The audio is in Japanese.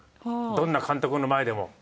どんな監督の前でも？